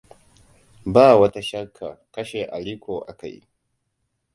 Ba wata shakka kashe Aliko aka yi.